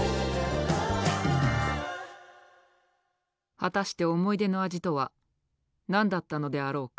果たして思い出の味とは何だったのであろうか。